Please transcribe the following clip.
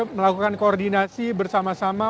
melakukan koordinasi bersama sama